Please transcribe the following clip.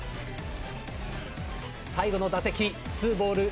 最後の打席２ボール